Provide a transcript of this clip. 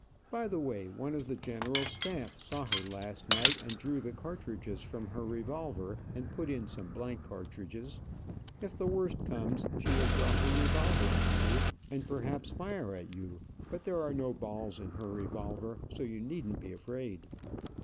By the way, one of the general's start saw her last night, and drew the cartridges from her revolver, and put in some blank cartridges. If the worst comes, she will draw her revolver on you, and perhaps fire at you, but there are no balls in her revolver, so you needn't be afraid."